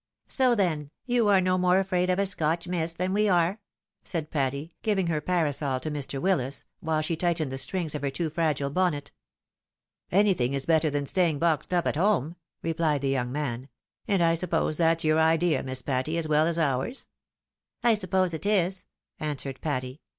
So, then, you are no more afraid of a Scotch mist than we are ?" said Patty, giving her parasol to Mr. Willis, while she tightened the strings of her too fragile bonnet. " Anything is better than staying boxed up at home," re phed the young man ;" and I suppose that's your idea, Miss Patty, as well as ours ?"" I suppose it is," answered Patty.